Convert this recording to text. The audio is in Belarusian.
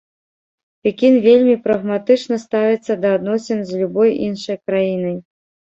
Пекін вельмі прагматычна ставіцца да адносін з любой іншай краінай.